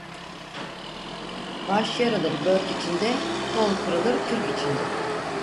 Baş yarılır börk içinde, kol kırılır kürk içinde.